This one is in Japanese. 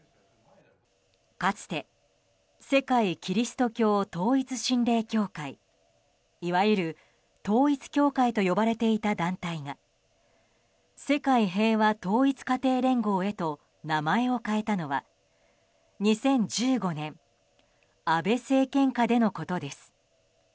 かつて、世界基督教統一神霊協会いわゆる統一教会と呼ばれていた団体が世界平和統一家庭連合へと名前を変えたのは２０１５年安倍政権下でのことです。